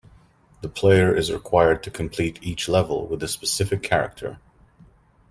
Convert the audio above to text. The player is required to complete each level with a specific character.